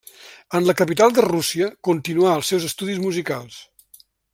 En la capital de Rússia continuà els seus estudis musicals.